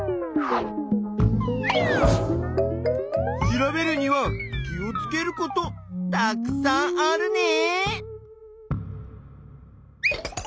調べるには気をつけることたくさんあるね！